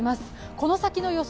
この先の予想